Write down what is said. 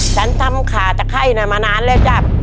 ฉันทำขาตะไข้น่ะมานานแล้วจ้ะ